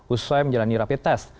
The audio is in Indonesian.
uswem jalan nirapit tes